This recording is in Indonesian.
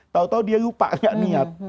tau tau dia lupa gak niat